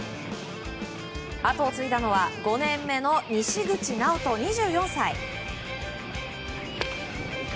後を継いだのは５年目の西口直人、２４歳。